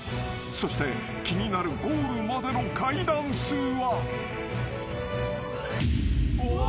［そして気になるゴールまでの階段数は］